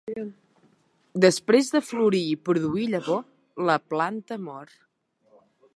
Després de florir i produir llavor, la planta mor.